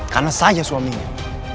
karena saya suaminya